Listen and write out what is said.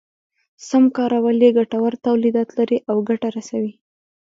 سم کارول يې ګټور توليدات لري او ګټه رسوي.